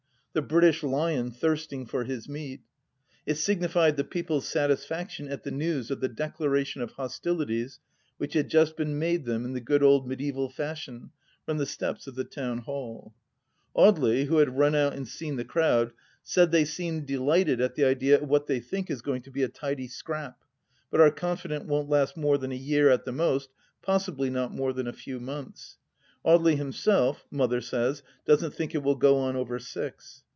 The British lion, thirstiag for his meat !... It signified the People's satisfaction at the news of the declaration of hostilities which had just been made them in the good old mediaeval fashion, from the steps of the Town Hall. Audely, who had run out and seen the crowd, said they seemed delighted at the idea of what they think is going to be a " tidy scrap," but are confident won't last more than a year at the most, possibly not more than a few months. Audely himself, Mother says, doesn't think it will go on over six.